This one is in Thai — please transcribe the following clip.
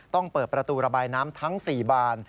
เปิดประตูระบายน้ำทั้ง๔บาน